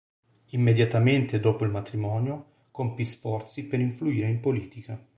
Immediatamente dopo il matrimonio, compì sforzi per influire in politica.